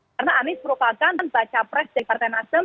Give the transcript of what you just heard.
karena anies merupakan baca pres dari partai nasdem